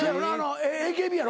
ＡＫＢやろ？